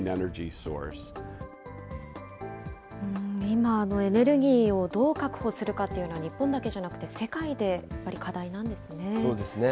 今、エネルギーをどう確保するかっていうのは、日本だけじゃなくて世界でやっぱり課題なんですね。